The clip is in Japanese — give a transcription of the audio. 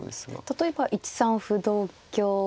例えば１三歩同香。